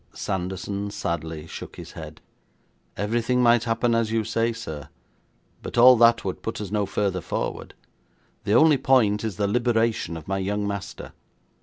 Sanderson sadly shook his head. 'Everything might happen as you say, sir, but all that would put us no further forward. The only point is the liberation of my young master.